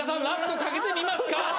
ラストかけてみますか？